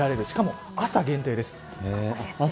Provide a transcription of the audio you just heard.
しかも、朝限定です。